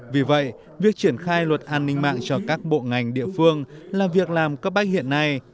vì vậy việc triển khai luật an ninh mạng cho các bộ ngành địa phương là việc làm cấp bách hiện nay